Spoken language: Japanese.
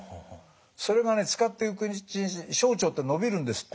それがね使っていくうちに小腸って伸びるんですって。